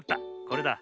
これだ。